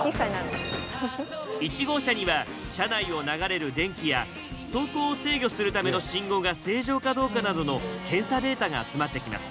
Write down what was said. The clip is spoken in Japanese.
１号車には車内を流れる電気や走行を制御するための信号が正常かどうかなどの検査データが集まってきます。